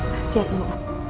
masih ya bu